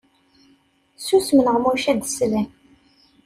Ssusem neɣ ma ulac ad d-slen.